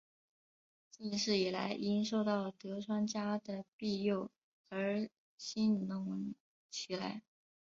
近世以来因受到德川家的庇佑而兴隆起来。